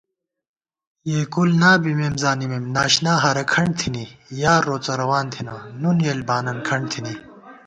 یېکُل نا بِمېم زانِمېم ناشنا ہارہ کھنٹ تھنی * یار روڅہ روان تھنہ نُن یېل بانن کھنٹ تھنی